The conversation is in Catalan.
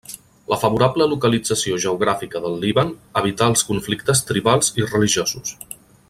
La favorable localització geogràfica del Líban, evitar els conflictes tribals i religiosos.